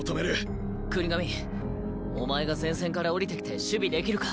國神お前が前線から下りてきて守備できるか？